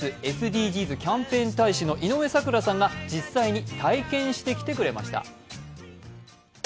ＴＢＳ・ＳＤＧｓキャンペーン大使の井上咲楽さんが実際に体験してきてくれました。